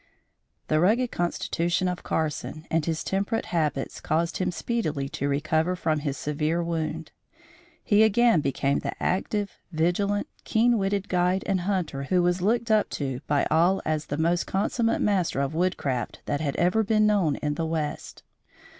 The rugged constitution of Carson and his temperate habits caused him speedily to recover from his severe wound. He again became the active, vigilant, keen witted guide and hunter who was looked up to by all as the most consummate master of woodcraft that had ever been known in the west.